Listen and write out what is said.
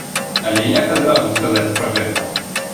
Але як адразу сказаць пра гэта?